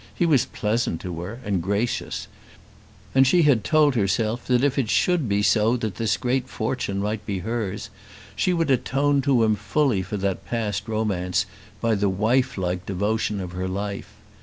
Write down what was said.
He was pleasant to her, and gracious; and she had told herself that if it should be so that this great fortune might be hers, she would atone to him fully for that past romance by the wife like devotion of her life.